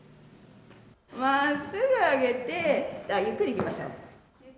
まっすぐ上げて、ゆっくりいきましょう。